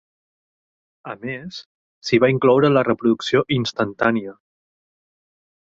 A més, s'hi va incloure la reproducció instantània.